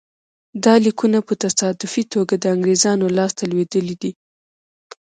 دا لیکونه په تصادفي توګه د انګرېزانو لاسته لوېدلي دي.